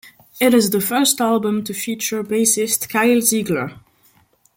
It is the first album to feature bassist Kyle Zeigler.